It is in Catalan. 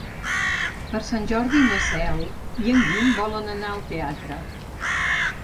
Per Sant Jordi na Cel i en Guim volen anar al teatre.